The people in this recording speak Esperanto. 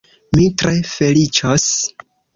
Mi tre feliĉos.